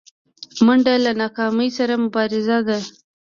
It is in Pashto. منډه له ناکامۍ سره مبارزه ده